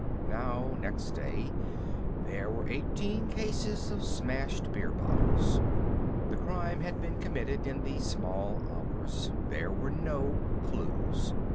Now, next day, there were eighteen cases of smashed beer bottles. The crime had been committed in the small hours. There were no clues.